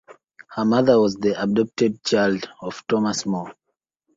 Her mother was the adopted child of Thomas More.